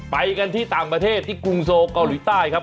ไปกันที่ต่างประเทศที่กรุงโซเกาหลีใต้ครับ